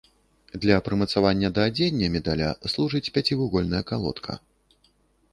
Для прымацавання да адзення медаля служыць пяцівугольная калодка.